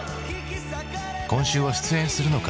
今週は出演するのか？